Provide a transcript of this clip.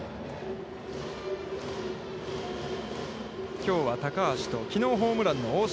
きょうは高橋と、きのうホームランの大城。